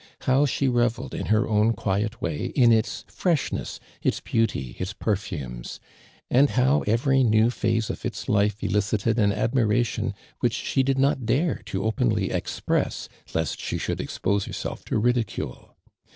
How she revelled in her own quiet way in its freshness, its beauty, its perfumes; and how every new phase of its life elicited an admiration wliich she di 1 not dare to openly express lest she should expose herself to ridicule.